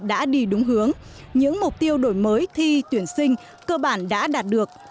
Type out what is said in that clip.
đã đi đúng hướng những mục tiêu đổi mới thi tuyển sinh cơ bản đã đạt được